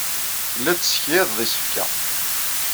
Telliḍ tessekyadeḍ isefka.